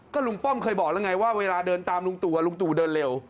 ลุงป้อมเคยบอกแล้วไงว่าเวลาเดินตามลุงตู่ลุงตู่เดินเร็ว